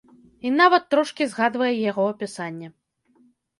І нават трошкі згадвае яго апісанне.